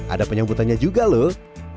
ada penyambutannya juga loh